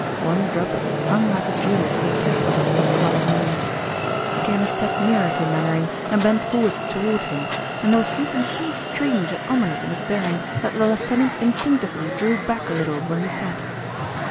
One drop hung like a jewel to the tip of his beaklike nose. He came a step nearer to Mainwaring and bent forward toward him, and there was something so strange and ominous in his bearing that the lieutenant instinctively drew back a little where he sat.